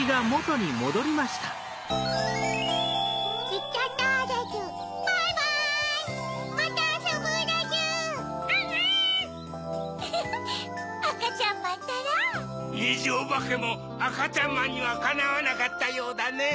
にじおばけもあかちゃんまんにはかなわなかったようだねぇ。